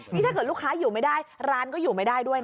นี่ถ้าเกิดลูกค้าอยู่ไม่ได้ร้านก็อยู่ไม่ได้ด้วยนะ